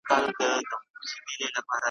چې پنځه وخته بیا زما او ستا وصال وشي